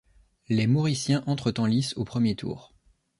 Les Mauriciens entrent en lice au premier tour.